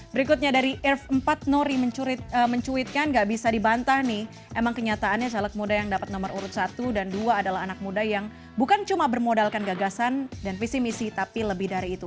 berikutnya dari irf empat nori mencuitkan gak bisa dibantah nih emang kenyataannya caleg muda yang dapat nomor urut satu dan dua adalah anak muda yang bukan cuma bermodalkan gagasan dan visi misi tapi lebih dari itu